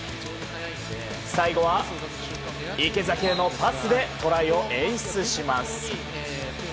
最後は池崎へのパスでトライを演出します。